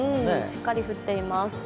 しっかり降っています。